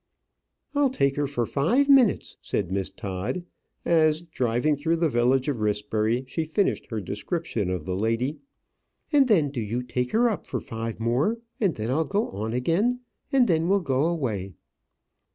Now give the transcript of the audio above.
"I'll take her for five minutes," said Miss Todd, as, driving through the village of Rissbury, she finished her description of the lady; "and then do you take her up for five more; and then I'll go on again; and then we'll go away."